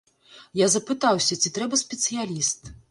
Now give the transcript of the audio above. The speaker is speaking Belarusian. Я запытаўся, ці трэба спецыяліст?